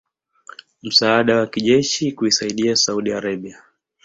msaada wa kijeshi kuisaidia Saudi Arabia